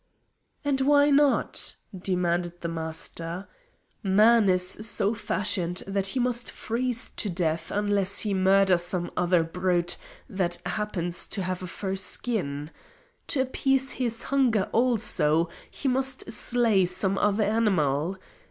"And why not?" demanded the Master. "Man is so fashioned that he must freeze to death unless he murder some other brute that happens to have a fur skin. To appease his hunger, also, he must slay some other animal.